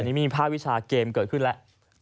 นี่มีภาควิชาเกมเกิดขึ้นแล้ว